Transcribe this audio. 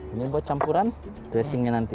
ini buat campuran dressingnya nanti